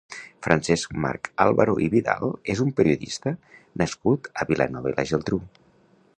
Francesc-Marc Álvaro i Vidal és un periodista nascut a Vilanova i la Geltrú.